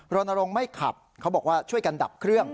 รณรงค์ไม่ขับเขาบอกว่าช่วยกันดับเครื่อง